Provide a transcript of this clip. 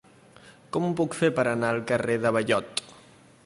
Com ho puc fer per anar al carrer de Ballot?